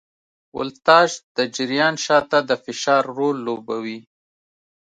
ولتاژ د جریان شاته د فشار رول لوبوي.